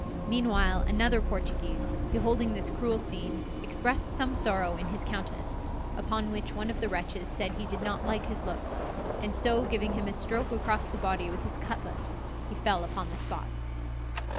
Meanwhile, another Portuguese, beholding this cruel scene, expressed some sorrow in his countenance, upon which one of the wretches said he did not like his looks, and so giving him a stroke across the body with his cutlass, he fell upon the spot.